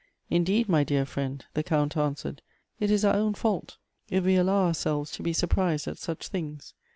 " Indeed, ray dear friend," the Count answered, " it is our own fault if we allow ourselves to be surprised at such things.